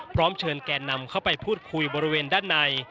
พร้อมเชิญแก่นำเข้าไปพูดคุยบริเวณด้านใน